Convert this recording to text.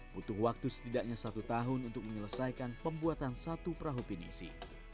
butuh waktu setidaknya satu tahun untuk menyelesaikan pembuatan satu perahu pinisi